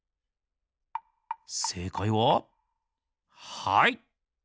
せいかいははい！